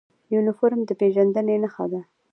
یونفورم د پیژندنې نښه ده